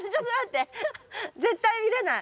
絶対見れない。